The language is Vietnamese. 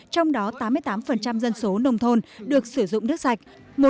trong đó tám mươi tám dân số nông thôn được sử dụng nước sạch